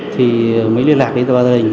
thì mới liên lạc đến gia đình